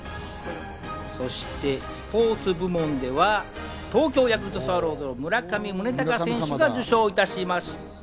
そしてスポーツ部門では東京ヤクルトスワローズの村上宗隆選手が受賞いたしました。